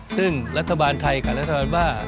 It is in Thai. ซึ่งรัฐบาลไทยกับรัฐบาลว่า